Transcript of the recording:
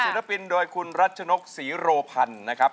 ศัลรภินตร์ด้วยคุณรัชนกษีโรพันนะครับ